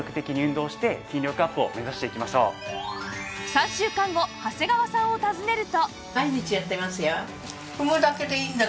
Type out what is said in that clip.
３週間後長谷川さんを訪ねると